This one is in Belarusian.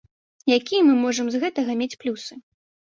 Якія мы зможам з гэтага мець плюсы?